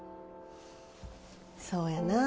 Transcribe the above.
そうやな。